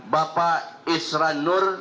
bapak isran nur